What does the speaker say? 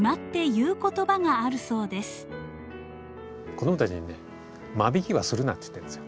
子供たちに「間引きはするな」って言ってるんですよ。